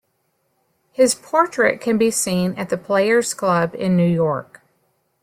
His portrait can be seen at the Players Club in New York.